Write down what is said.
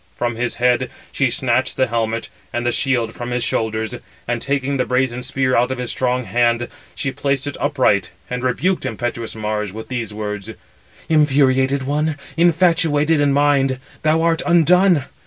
From his head she snatched the helmet, and the shield from his shoulders, and taking the brazen spear out of his strong hand, she placed it upright; and rebuked impetuous Mars with [these] words: "Infuriated one, infatuated in mind, thou art undone!